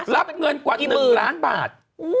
รับเงินกว่า๑ล้านบาท